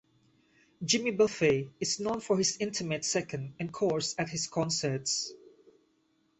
Jimmy Buffett is known for his intimate second encores at his concerts.